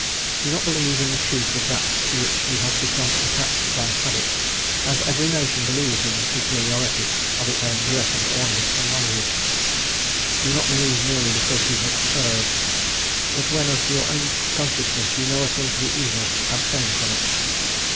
Do not believe in the truth of that to which you have become attached by habit, as every nation believes in the superiority of its own dress and ornaments and language. Do not believe merely because you have heard, but when of your own consciousness you know a thing to be evil abstain from it.